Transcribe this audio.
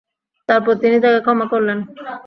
তারপর তিনি তাকে ক্ষমা করলেন।